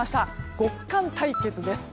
極寒対決です。